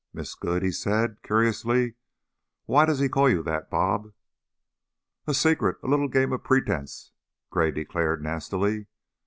"'Miss Good'?" he said, curiously. "Why does he call you that, 'Bob'?" "A secret! A little game of pretense," Gray declared, nastily.